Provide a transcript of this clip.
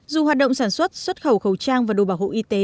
dù hoạt động sản xuất xuất khẩu khẩu trang và đồ bảo hộ y tế